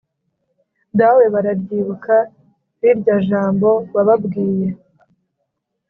dawe, bararyibuka rirya jambo wababwiye